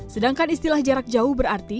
sedangkan istilah jarak jauh berarti